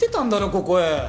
ここへ。